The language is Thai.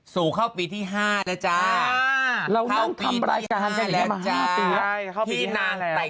สูงเข้าปีที่๕แล้วจ้า